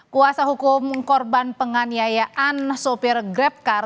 kuasa hukum korban penganiayaan sopir grabcar